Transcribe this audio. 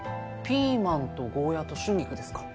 ピーマンとゴーヤと春菊ですか？